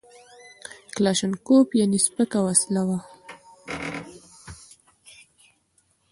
کلاشینکوف یعنې سپکه وسله وه